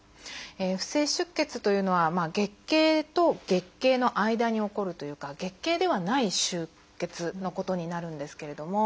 不正出血というのは月経と月経の間に起こるというか月経ではない出血のことになるんですけれども。